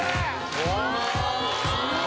うわ！